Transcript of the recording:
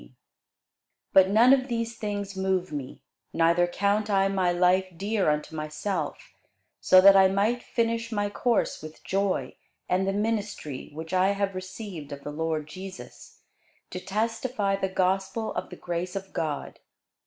[Sidenote: The Acts 20] But none of these things move me, neither count I my life dear unto myself, so that I might finish my course with joy, and the ministry, which I have received of the Lord Jesus, to testify the gospel of the grace of God.